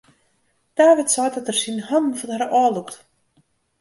David seit dat er syn hannen fan har ôflûkt.